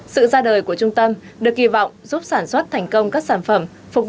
sự ra đời của trung tâm được kỳ vọng giúp sản xuất thành công các sản phẩm